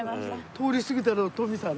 通り過ぎたら徳さん。